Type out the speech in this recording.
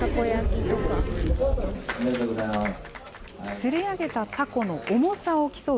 釣り上げたタコの重さを競う